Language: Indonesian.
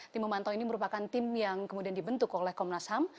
tim memantau ini merupakan tim yang kemudian dibentuk oleh komnas ham